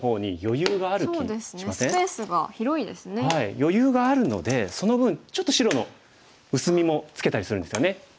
余裕があるのでその分ちょっと白の薄みもつけたりするんですよね。